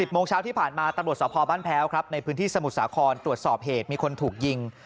โมงเช้าที่ผ่านมาตำรวจสภบ้านแพ้วครับในพื้นที่สมุทรสาครตรวจสอบเหตุมีคนถูกยิง